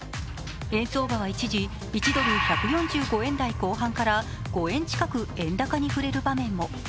円相場は一時、１ドル＝１４５円台後半から５円近く円高に振れる場面も。